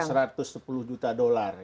satu ratus sepuluh juta dolar